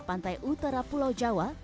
pantai utara pulau jawa